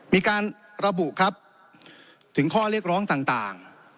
มีการระบุครับถึงข้อเรียกร้องต่าง